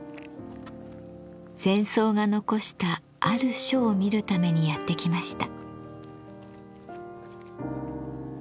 禅僧が残したある書を見るためにやって来ました。